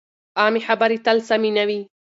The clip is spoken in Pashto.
عامې خبرې تل سمې نه وي.